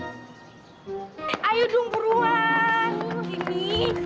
ayo dong peruan